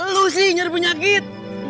lu sih nyerepunyakit